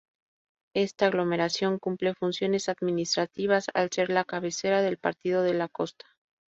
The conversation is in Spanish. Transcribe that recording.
Esta aglomeración cumple funciones administrativas, al ser la cabecera del Partido de La Costa.